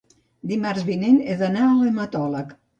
Dimarts vinent he d'anar a l'hematòleg.